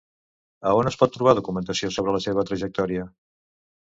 A on es pot trobar documentació sobre la seva trajectòria?